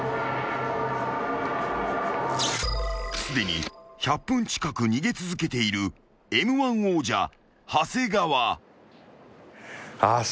［すでに１００分近く逃げ続けているＭ−１王者］